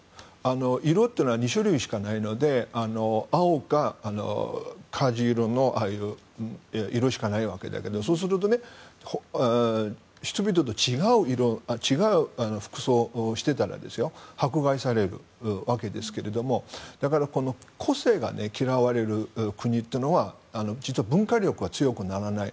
色というのは２種類しかないので青かカーキ色のああいう色しかないわけだけどそうすると人々と違う色違う服装をしていたら迫害されるわけですがだから個性が嫌われる国というのは実は文化力が強くならない。